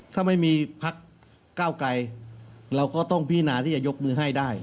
ถ้าไม่มีภักษ์ก้าวกลายเราก็ต้องพินาที่จะยกมือให้ได้